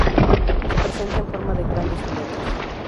Se presenta en forma de grandes filetes.